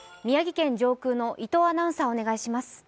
宮城県上空の伊藤アナウンサー、お願いします。